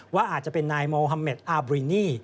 ว่าอาจจะเป็นนายโมฮัมเมดอาบรินี